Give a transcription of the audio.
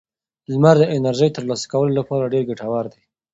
لمر د انرژۍ د ترلاسه کولو لپاره ډېر ګټور دی.